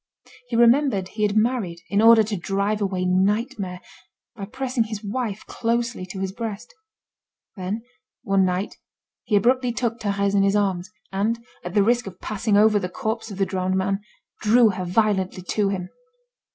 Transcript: He remembered he had married in order to drive away nightmare, by pressing his wife closely to his breast. Then, one night, he abruptly took Thérèse in his arms, and, at the risk of passing over the corpse of the drowned man, drew her violently to him.